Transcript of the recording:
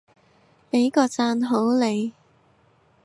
畀個讚好你